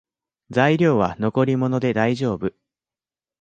材料は残り物でだいじょうぶ